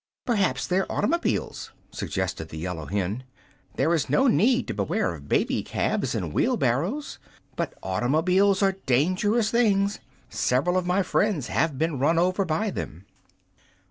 "Perhaps they're automobiles," suggested the yellow hen. "There is no need to beware of baby cabs and wheelbarrows; but automobiles are dangerous things. Several of my friends have been run over by them."